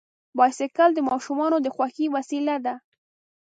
بایسکل د ماشومانو د خوښۍ وسیله ده.